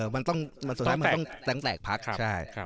มันต้องมันสุดท้ายมันต้องแตกแตกพลักษณ์ใช่ครับ